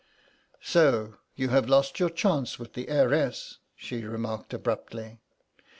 "So you have lost your chance with the heiress," she remarked abruptly.